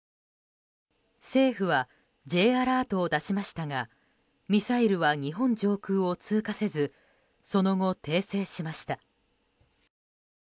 政府はＪアラートを出しましたがミサイルは日本上空を通過せずその後、訂正しました。